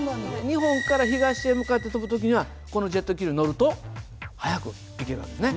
日本から東へ向かって飛ぶ時にはこのジェット気流に乗ると早く行ける訳ですね。